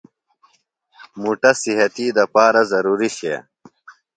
مُٹہ صحتی دپارہ ضروری شئے۔